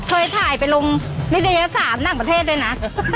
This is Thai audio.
โทษให้ถ่ายไปลงโรงแบบนอะเยลานซ์๓นั้นประเทศด้วยนะ